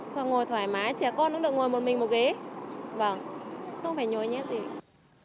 xong ngồi thoải mái trẻ con cũng được ngồi một mình một ghế vâng không phải nhối nhét gì